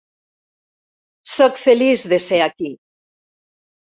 Sóc feliç de ser aquí!